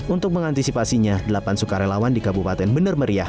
untuk mengantisipasinya delapan sukarelawan di kabupaten benar meriah